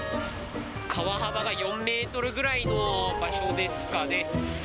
川幅が４メートルぐらいの場所ですかね。